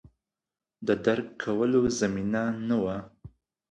د درک کولو زمینه نه وه